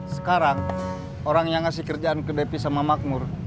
sekarang orang yang ngasih kerjaan ke depi sama makmur